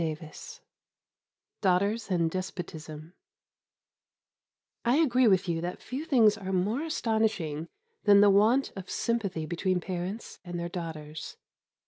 XII DAUGHTERS AND DESPOTISM I agree with you that few things are more astonishing than the want of sympathy between parents and their daughters.